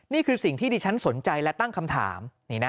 นี่คือสิ่งที่ดิฉันสนใจและตั้งคำถาม